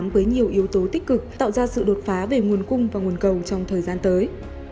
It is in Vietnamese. với nhiều yếu tố tích cực tạo ra sự đột phá về nguồn cung và nguồn cầu trong thời gian tới